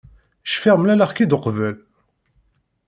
Cfiɣ mlaleɣ-k-id uqbel.